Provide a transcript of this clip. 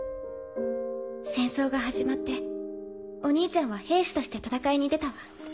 戦争が始まってお兄ちゃんは兵士として戦いに出たわ。